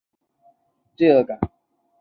听到了有点罪恶感